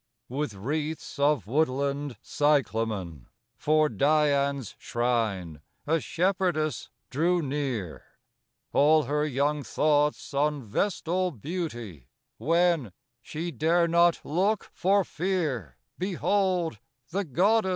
III With wreaths of woodland cyclamen For Dian's shrine, a shepherdess drew near, All her young thoughts on vestal beauty, when She dare not look for fear Behold the goddess here!